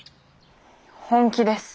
本気です。